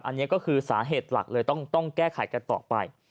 อันนี้ก็คือสาเหตุหลักเลยต้องแก้ไขกันต่อไป